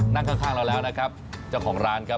นั่งข้างเราแล้วนะครับเจ้าของร้านครับ